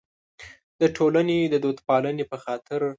د ټولنې د دودپالنې په خاطر.